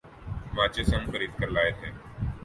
ماچس ہم خرید کر لائے تھے ۔